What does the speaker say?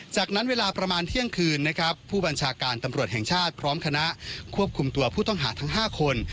จากนั้นเวลาประมาณเที่ยงคืนนะครับผู้บัญชาการตำรวจแห่งชาติพร้อมคณะควบคุมตัวผู้ต้องหาทั้ง๕คน